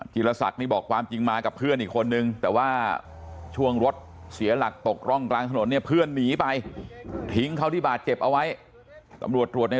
ีรศักดิ์นี่บอกความจริงมากับเพื่อนอีกคนนึงแต่ว่าช่วงรถเสียหลักตกร่องกลางถนนเนี่ยเพื่อนหนีไปทิ้งเขาที่บาดเจ็บเอาไว้ตำรวจตรวจใน